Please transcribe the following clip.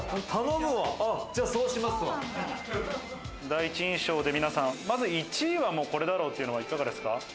第一印象で皆さん、まず１位はこれだろうっていうのは、いかがですか？